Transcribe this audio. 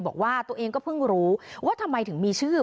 บอกว่าตัวเองก็เพิ่งรู้ว่าทำไมถึงมีชื่อ